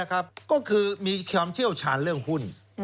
ก็คือมีความเชี่ยวชาญเรื่องหุ้น